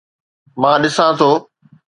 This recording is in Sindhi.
مان ڏسان ٿو